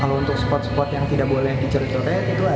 kalau untuk spot spot yang tidak boleh dicoret coret itu ada